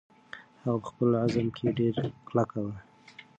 هغه په خپل عزم کې ډېره کلکه وه.